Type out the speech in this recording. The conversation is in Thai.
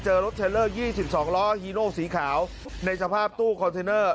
เจอรถเทลเลอร์ยี่สิบสองล้อฮีโน้วสีขาวในสภาพตู้คอนเทนเนอร์